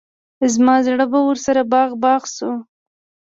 زما زړه به ورسره باغ باغ شو.